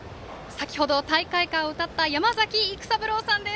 先程、大会歌を歌った山崎育三郎さんです。